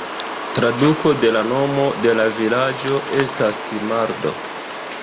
Traduko de la nomo de la vilaĝo estas "Mardo".